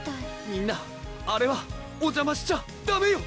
みんなあれはお邪魔しちゃダメよ